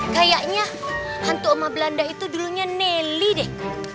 kayaknya hantu oma belanda itu dulunya nelly deh